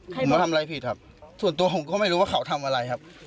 ผมก็ทำอะไรผิดครับส่วนตัวผมก็ไม่รู้ว่าเขาทำอะไรครับ